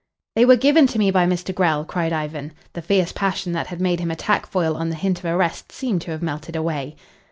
"They were given to me by Mr. Grell," cried Ivan. The fierce passion that had made him attack Foyle on the hint of arrest seemed to have melted away.